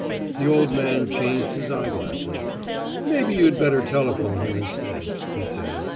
The old man changed his eyeglasses. "Maybe you'd better telephone him instead," he said.